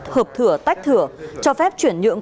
hợp thửa tách thửa cho phép chuyển nhượng